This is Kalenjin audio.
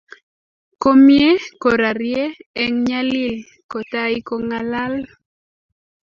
Komie korarie eng nyalil kotai ko ngalal